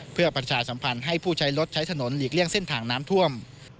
เพื่อประชาสัมพันธ์ให้ผู้ใช้รถใช้ถนนหลีกเลี่ยงเส้นทางน้ำท่วม